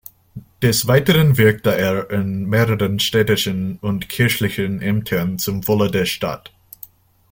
Des Weiteren wirkte er in mehreren städtischen und kirchlichen Ämtern zum Wohle der Stadt.